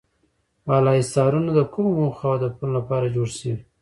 بالا حصارونه د کومو موخو او هدفونو لپاره جوړ شوي.